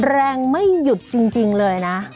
ไม่หยุดจริงเลยนะ